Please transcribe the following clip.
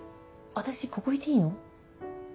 私ここいていいの？